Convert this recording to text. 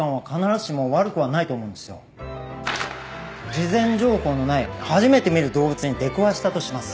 事前情報のない初めて見る動物に出くわしたとします。